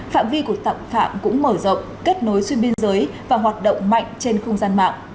phạm vi của tạm phạm cũng mở rộng kết nối xuyên biên giới và hoạt động mạnh trên không gian mạng